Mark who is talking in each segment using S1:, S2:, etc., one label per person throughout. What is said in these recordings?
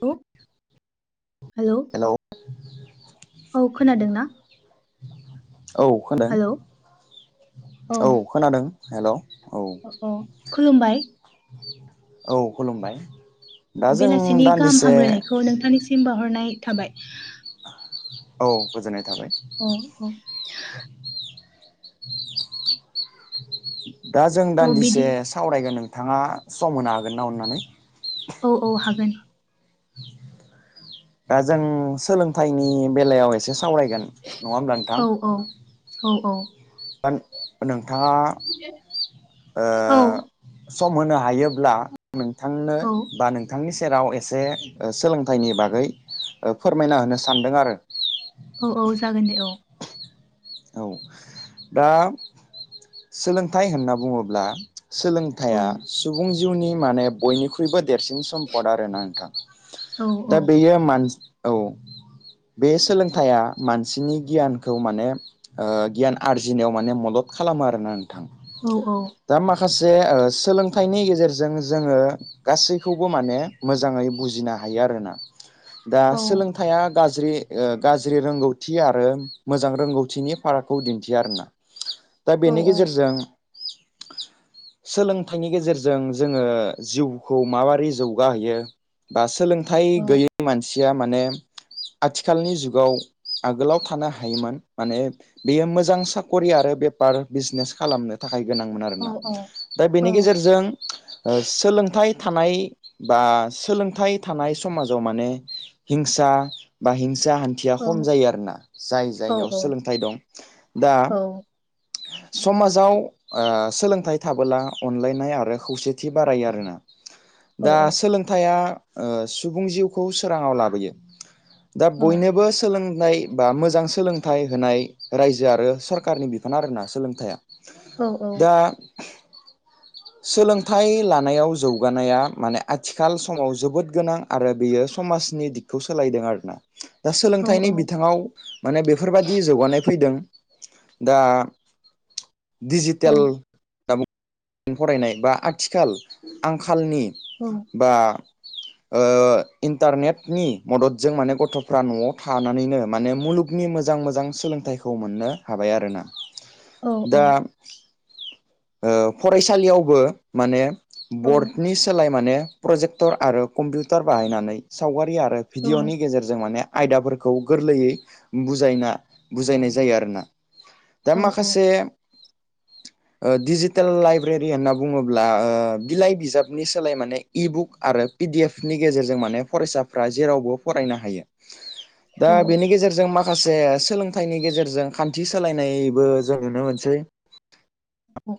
S1: Hello hello
S2: [inaudible]
S1: औ खोनादों ना?
S2: औ खो [unintelligible] दों।
S1: हेलौ
S2: औ खोनादों हेलौ‌।
S1: औ खुलुमबाय।
S2: औ खुलुमबाय। दा जों
S1: बेलासिनि गाहाम
S2: दान्दिसे
S1: हामलायनायखौ नोंथांनिसिम बाहरनाय थाबाय।
S2: औ गोजोननाय थाबाय।
S1: औ औ।
S2: दा जों
S1: औ बिदि
S2: दान्दिसे सावरायगोन नोंथाङा सम होनो हागोन ना अननानै?
S1: औ औ हागोन।
S2: दा जों सोलोंथाइनि बेलायाव एसे सावरायगोन। नङा होमब्ला
S1: औ औ औ औ।
S2: [inaudible] नोंथाङा ओ
S1: औ
S2: सम होनो हायोब्ला नोंथांनो
S1: औ
S2: बा नों बिथांनि सेराव एसे ओ सोलोंथाइनि बागै ओ फोरमायना होनो सानदों आरो।
S1: औ औ जागोन दे औ।
S2: औ दा सोलोंथाइ होनना बुङोब्ला सोलों
S1: औ
S2: थाइया सुबुं जिउनि माने बयनिख्रुइबो देरसिन सम्पद आरोना नोंथां
S1: औ
S2: दा बेयो मानसि औ बे सोलोंथाइया मानसिनि गियानखौ माने ओ गियान आरजिनायाव माने मदद खालामो आरोना नोंथां।
S1: औ औ।
S2: दा माखासे ओ सोलोंथाइनि गेजेरजों जोङो गासैखौबो माने मोजाङै बुजिनो हायो आरोना। दा
S1: औ
S2: सोलों थाइया गाज्रि ओ गाज्रि रोंगौथि आरो मोजां रोंगौथिनि फारागखौ दिन्थिया आरोना। दा
S1: औ
S2: बेनि
S1: औ
S2: गेजेरजों सोलोंथाइनि गेजेरजों जोङो जिउखौ माबोरै जौगाहैयो बा सोलोंथाइ गैयै मानसिया माने आथिखालनि जुगाव आगोलाव थानो हायोमोन माने बेयो मोजां साक'रि आरो बेफार बिजनेस खालामनो थाखाय गोनांमोन आरोना। दा बेनि गेजेरजों ओ सोलोंथाइ थानाय बा सोलोंथाइ थानाय समाजाव माने हिंसा बा हिंसा हान थिया खम जायो आरोना जाय जायगायाव सोलोंथाइ दं। दा समाजाव ओ सोलोंथाइ थाबोला अनलायनाय आरो खौसे थि बारायो आरोना। दा सोलोंथाइया ओ सुबुं जिउखौ सोराङाव लाबोयो। दा बयनोबो सोलोंनाय बा मोजां सोलोंथाइ होनाय रायजो आरो सरकारनि बिफान आरोना सोलोंथाइया। दा सोलोंथाइ लानायाव जौगानाया माने आथिखाल समाव जोबोद गोनां आरो बियो समाजनि दिगखौ सोलायदों आरोना। दा सोलोंथाइनि बिथाङाव माने बेफोरबायदि जौगानाय फैदों दा डिजिटेल फरायनाय बा आथिखाल आंखालनि
S1: औ।
S2: बा ओ इन्टारनेटनि मददजों माने गथ'फ्रा न'आव थानानैनो माने मुलुग नि मोजां मोजां सोलोंथाइखौ मोननो हाबाय आरोना। दा ओ फरायसालियावबो माने बर्डनि सोलाय माने प्रजेक्टर आरो कम्पिउटार बाहायनानै सावगारि आरो भिडिय'नि गेजेरजों माने आयदाफोरखौ गोरलैयै बुजायना बुजायनाय जायो आरोना। दा
S1: औ औ औ
S2: माखासे ओ दिजि टेल लाइब्रेरि होनना बुङोब्ला ओ बिलाइ बिजाबनि सोलाय माने इ बुक आरो पिडि एफ नि गेजेरजों माने फरायसाफ्रा जेरावबो फरायनो हायो। दा
S1: औ
S2: बेनि गेजेरजों मा माखासे सोलोंथाइनि गेजेरजों खान्थि सोलायनायबो जों नुनो मोनसै।
S1: औ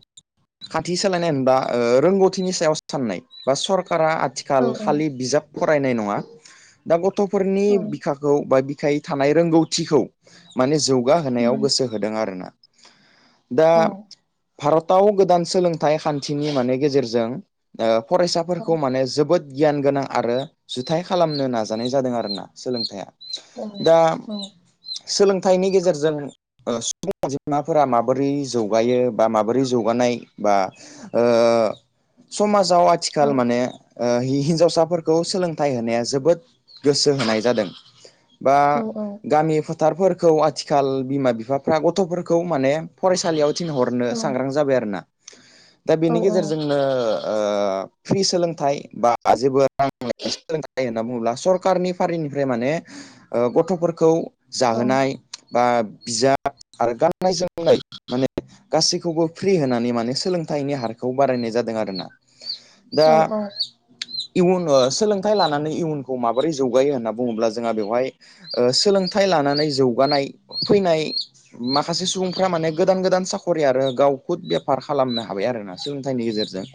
S2: खाथि सालायनाय होनोबा रोंगौथिनि सायाव साननाय बा सरकारा
S1: औ
S2: आथिखाल खालि बिजाब फरायनाय नङा दा गथ'फोरनि
S1: औ
S2: [unintelligible] बा बिखाय थानाय रोंगौथिखौ माने जौगाहोनायाव
S1: उम
S2: गोसो हो होदों आरोना दा
S1: औ
S2: भारताव गोदान सोलोंथाइ खान्थिनि माने गेजेरजों ओ
S1: औ
S2: फरायसाफोरखौ माने जोबोद गियान गोनां आरो जुथाय खालामनो नाजानाय जादों आरोना सोलोंथाइया
S1: औ
S2: दा
S1: औ
S2: सोलोंथाइनि गेजेरजों सुबुं अनजिमाफोरा माबोरै जौगायो। बा माबोरै जौगानाय बा ओ समाजाव
S1: औ
S2: आथिखाल माने ओ हिन्जावसाफोरखौ सोलोंथाइ होनाया जोबोद गोसो होनाय जादों। बा
S1: औ औ
S2: गामि फटारफोरखौ आथिखाल बिमा - बिफाफ्रा गथ'फोरखौ माने फरायसालियाव थिनहरनो सांग्रां जाबाय आरो ना। दा
S1: औ
S2: बेनि गेजेरजोंनो ओ फ्रि सोलोंथाइ बा [unintelligible] होनना बुङोब्ला सरखारनि फारिनिफ्राय माने ओ गथ'फोरखौ जाहोनाय बा बिजाब आरो गाननाय जोमनाय माने [unintelligible] गासैखौबो फ्रि होनानै माने सोलोंथाइनि हारखौ बारायनाय जादों आरोना। दा
S1: औ औ
S2: इयुन ओ सोलोंथाइ लानानै इयुनखौ माबोरै जौगायो होनना बुङोब्ला जोंहा बेवहाय ओ सोलोंथाइ लानानै जौगानाय फैनाय माखासे सुबुंफ्रा माने गोदान गोदान साख [unintelligible] गावखौ बेफार खालामनो हाबाय आरोना सोलोंथाइनि गेजेरजों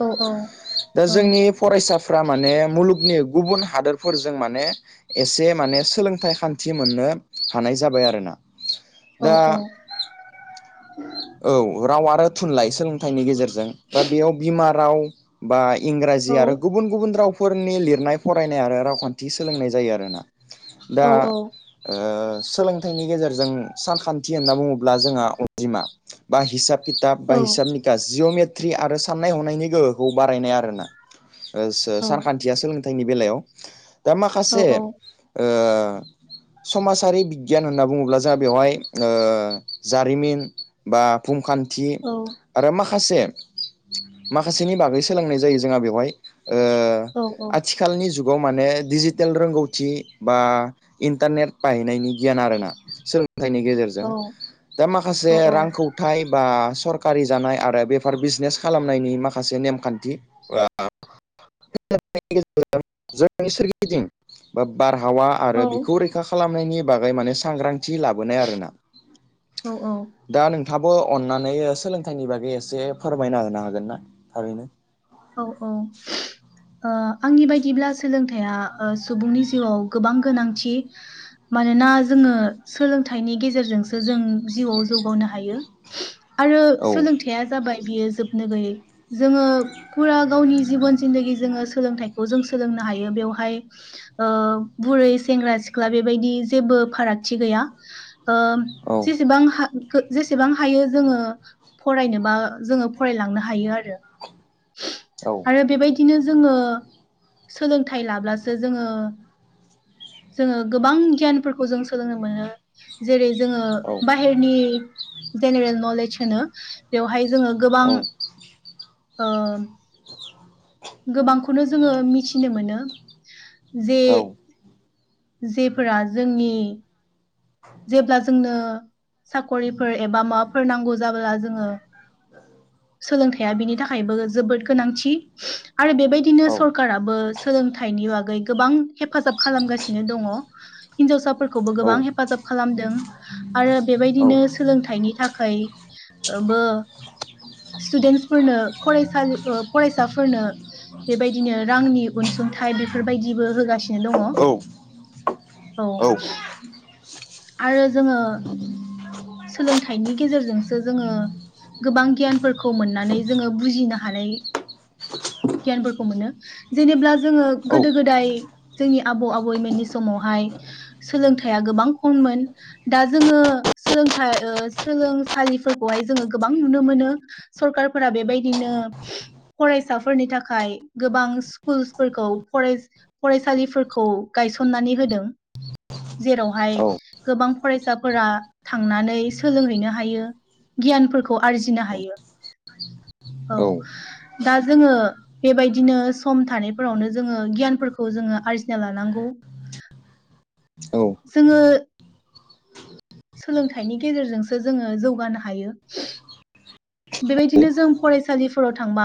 S2: दा जोंनि फरायसाफ्रा माने मुलुगनि गुबुन हादोरफोरजों माने एसे माने सोलोंथाइ खान्थि मोननो हानाय जाबाय आरोना।
S1: औ
S2: दा
S1: -औ।
S2: औ राव आरो थुनलाइ सोलोंथाइनि गेजेरजों बा बेयाव बिमा राव बा इंराजि आरो गुबुन - गुबुन रावफोरनि लिरनाय फरायनाय आरो रावखान्थि सोलोंनाय जायो आरोना। दा ओ सोलोंथाइनि गेजेरजों सानखान्थि होनना बुङोब्ला जोंहा अनजिमा बा हिसाब खिथाब बा
S1: औ
S2: हिसाब निखा जिअ'मेट्रि आरो साननाय हनायनि गोहोखौ बारायनाय आरोना। ओ सानखान्थिया सोलोंथाइनि बेलायाव दा माखासे ओ समाजारि बिगियान होनना बुङोब्ला जों बेवहाय जारिमिन बा फुंखान्थि आरो माखासे माखासेनि बागै सोलोंनाय जायो जोंहा बेवहाय ओ आथिखाल आथिखालनि जुगाव माने डिजिटेल रोंगौथि बा इन्टारनेट बाहैनायनि गियान आरोना। सोलोंथाइनि गेजेरजों दा माखासे रां फौथाइ बा सरकारि जानाय आरो बेफार बिजनेस खालामनायनि माखासे नेमखान्थि। [unintelligible] [unintelligible] गेजेरजों जोंनि सोरगिदिं बा बारहावा आरो बिखौ रैखा खालामनायनि बागै माने सांग्रांथि लाबोनाय आरोना।
S1: औ -औ।
S2: दा नोंथाङाबो अननानै सोलोंथाइनि बागै एसे फोरमायना होनो हागोन ना थारैनो
S1: औ औ ओ आंनि बायदिब्ला सोलोंथाइया सुबुंनि जिउआव गोबां गोनांथि मानोना जोङो सोलोंथाइनि गेजेरजोंसो जों जिउआव जौगानो हायो। आरो
S2: औ
S1: सोलोंथाइया जाबाय बियो जोबनो गैयै जोङो फुरा गावनि जिबन जिन्दगि जोङो सोलोंथाइखौ जों सोलोंनो हायो बेवहाय बुरै सेंग्रा सिख्ला बेबायदि जेबो फारागथि गैया ओ
S2: औ
S1: जेसेबां हा जेसेबां हायो जोङो फरायनोबा जोङो फरायलांनो हायो आरो
S2: औ
S1: आरो बेबायदिनो जोङो सोलोंथाइ लाब्लासो जोङो जोङो गोबां गियानफोरखौ जों सोलोंनो मोनो जेरै जोङो
S2: औ
S1: बाहेरनि जेनेरेल नलेज होनो बेवहाय जोङो गोबां
S2: औ
S1: ओ गोबांखौनो जोङो मिथिनो मोनो जे
S2: औ
S1: जेफोरा जोंनि जेब्ला जोंनो साख'रिफोर एबा माबाफोर नांगौ जाबला जोङो सोलोंथाइया बिनि थाखायबो जोबोद गोनांथि आरो बेबायदि बिदिनो सरकाराबो सोलोंथाइनि बागै गोबां हेफाजाब खालामगासिनो दङ हिन्जावसाफोरखौबो
S2: औ
S1: गोबां हे हेफाजाब खालामदों आरो बेबायदिनो सोलोंथाइनि थाखाय [unintelligible] स्टुदेन्टसफोरनो फरायसालि फरायसाफोरनो बेबायदिनो रांनि अनसुंथाइ बेफोरबायदिबो होगासिनो दङ औ। आरो जोङो सोलोंथाइनि गेजेरजोंसो जोङो गोबां गियानफोरखौ मोननानै जोङो बुजिनो हानाय गियानफोरखौ मोनो जेनेब्ला जोङो
S2: औ
S1: गोदो गोदाय जोंनि आबौ आबैमोननि समावहाय सोलोंथाइया गोबां खममोन दा जोङो सोलोंथाइ ओ सोलोंसालिफोरखौहाय जोङो गोबां नुनो मोनो सरखारफोरा बेबायदिनो फरायसाफोरनि थाखाय गोबां स्कुल्सफोरखौ फराय फरायसालिफोरखौ गायसननानै होदों जेरावहाय गोबां फरायसाफोरा थांनानै सोलोंहैनो हायो गियानफोरखौ आरजिनो हायो औ दा जोङो बेबायदिनो सम थानायफोरावनो जोङो गियानफोरखौ जोङो आरजिना लानांगौ
S2: औ
S1: जोङो सोलोंथाइनि गेजेरजोंसो जोङो जौगानो हायो
S2: औ
S1: बेबायदिनो जों फरायसालिफोराव थांबा